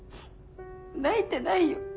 泣いてないよ。